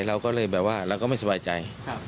เราก็เลยแบบว่าเราก็ไม่สบายใจ